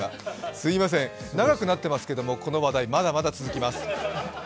すみません、長くなっていますけど、この話題、まだまだ続きます。